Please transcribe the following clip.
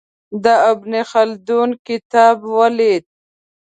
د ابن خلدون کتاب ولید.